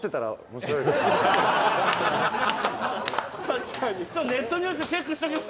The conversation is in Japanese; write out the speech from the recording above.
「確かに」